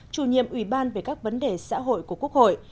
chủ nhiệm ủy ban về các vấn đề xã hội của quốc hội